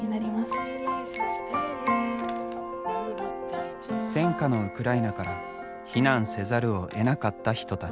戦火のウクライナから避難せざるをえなかった人たち。